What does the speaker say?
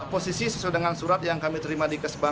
posisi sesuai dengan surat yang kami terima di kesbah